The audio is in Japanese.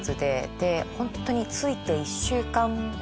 でホントに。